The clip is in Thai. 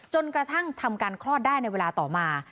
จนกระทั่งทำการคลอดได้ในเวลาต่อมา